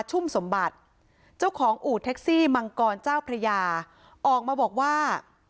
ชุ่มสมบัติเจ้าของอู่แท็กซี่มังกรเจ้าพระยาออกมาบอกว่า